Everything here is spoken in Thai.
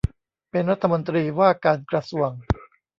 เป็นรัฐมนตรีว่าการกระทรวง